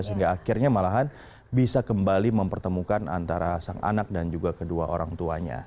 sehingga akhirnya malahan bisa kembali mempertemukan antara sang anak dan juga kedua orang tuanya